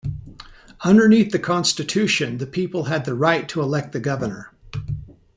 Underneath the constitution, the people had the right to elect the governor.